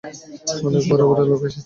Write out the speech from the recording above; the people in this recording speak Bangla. অনেক বড় বড় লোক এসেছে।